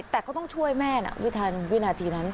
แต่ก็ต้องช่วยแม่น่ะวิทยาลุงวินาทีนั้น